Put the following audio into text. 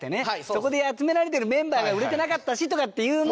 そこで集められてるメンバーが売れてなかったしとかっていう。